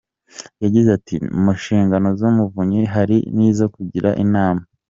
Yagize ati “ mu nshingano z’umuvunyi hari n’izo kugira inama.